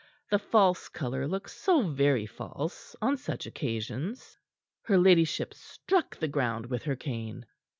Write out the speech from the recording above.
The false color looks so very false on such occasions. Her ladyship struck the ground with her cane.